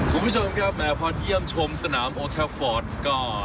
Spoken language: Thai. คุณผู้ชมครับแหมพอเยี่ยมชมสนามโอแทฟอร์ดก็